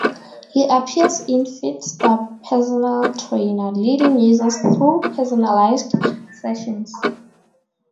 He appears in "FitStar Personal Trainer", leading users through personalized Sessions.